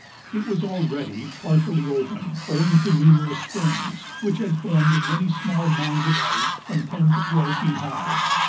It was already partially open, owing to numerous springs, which had formed many small mounds of ice from ten to twelve feet high.